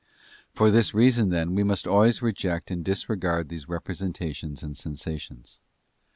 For this reason, then, we must always reject and disregard these representations and sensations.